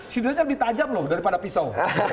sidulnya lebih tajam loh daripada pisau